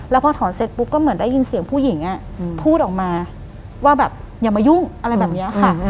แล้วพอถอนเสร็จปุ๊บก็เหมือนได้ยินเสียงผู้หญิงพูดออกมาว่าแบบอย่ามายุ่งอะไรแบบนี้ค่ะ